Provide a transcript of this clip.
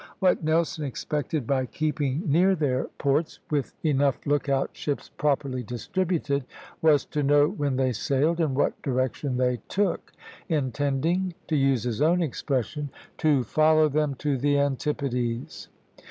What Nelson expected by keeping near their ports, with enough lookout ships properly distributed, was to know when they sailed and what direction they took, intending, to use his own expression, to "follow them to the antipodes."